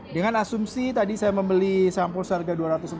dengan asumsi tadi saya membeli sampo seharga dua ratus empat satu ratus tiga puluh